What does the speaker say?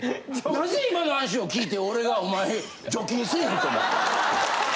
何故今の話を聞いて俺がお前除菌せぇへんと思ってん？